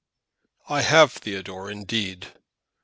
"I have, Theodore, indeed."